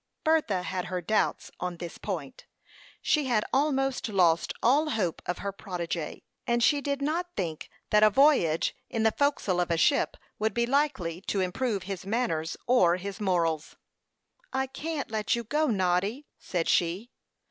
Bertha had her doubts on this point. She had almost lost all hope of her protégé, and she did not think that a voyage in the forecastle of a ship would be likely to improve his manners or his morals. "I can't let you go, Noddy," said she.